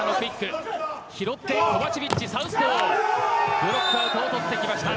ブロックアウトを取ってきました。